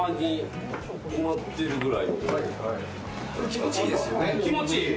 気持ちいいですよね。